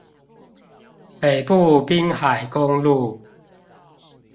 北部濱海公路